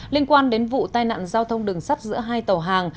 liên quan đến vụ tai nạn giao thông đường sắt giữa hai tàu hàng